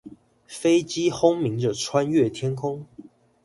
飛機轟鳴著穿越天空